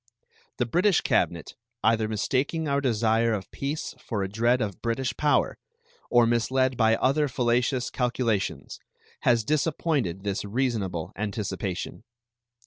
The British cabinet, either mistaking our desire of peace for a dread of British power or misled by other fallacious calculations, has disappointed this reasonable anticipation.